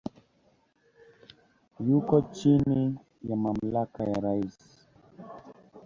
Yuko chini ya mamlaka ya rais.